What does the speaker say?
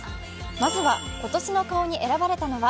まずは、今年の顔に選ばれたのは？